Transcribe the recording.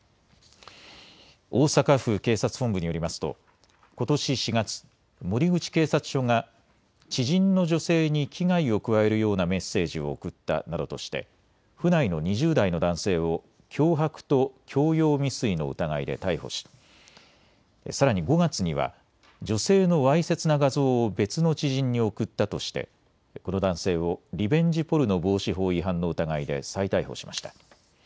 大阪府警察本部によりますとことし４月、守口警察署が知人の女性に危害を加えるようなメッセージを送ったなどとして府内の２０代の男性を脅迫と強要未遂の疑いで逮捕しさらに５月には女性のわいせつな画像を別の知人に送ったとしてこの男性をリベンジポルノ防止法違反の疑いで再逮捕しました。